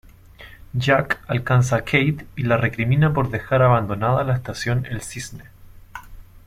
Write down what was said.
Jack alcanza a Kate y la recrimina por dejar abandonada la estación El Cisne.